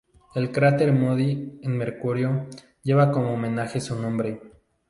El cráter Moody, en Mercurio, lleva como homenaje su nombre.